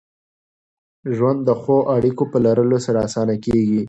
ژوند د ښو اړیکو په لرلو سره اسانه کېږي.